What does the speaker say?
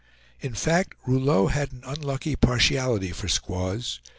In fact Rouleau had an unlucky partiality for squaws.